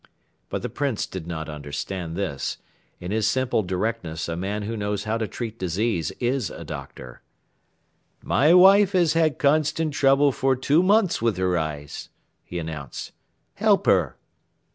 But the Prince did not understand this. In his simple directness a man who knows how to treat disease is a doctor. "My wife has had constant trouble for two months with her eyes," he announced. "Help her."